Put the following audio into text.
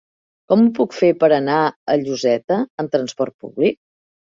Com ho puc fer per anar a Lloseta amb transport públic?